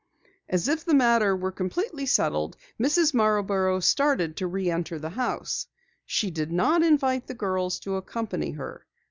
As if the matter were completely settled, Mrs. Marborough started to reënter the house. She did not invite the girls to accompany her.